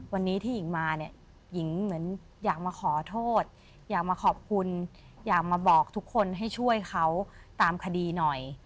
วันนี้ที่หญิงมาเนี่ยหญิงเหมือนอยากมาขอโทษอยากมาขอบคุณอยากมาบอกทุกคนให้ช่วยเขาตามคดีหน่อย